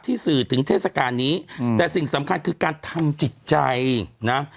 สื่อถึงเทศกาลนี้แต่สิ่งสำคัญคือการทำจิตใจนะ